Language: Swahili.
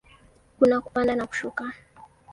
Kuna kupanda na kushuka.